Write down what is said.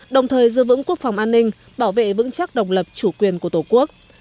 đồng thời dư vững quốc phòng an ninh bảo vệ vững chắc độc lập chủ quyền của tổ quốc